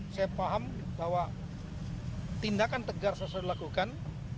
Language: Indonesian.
saya paham bahwa tindakan tegas harus dilakukan